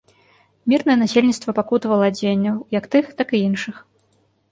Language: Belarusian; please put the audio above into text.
Мірнае насельніцтва пакутавала ад дзеянняў як тых, так і іншых.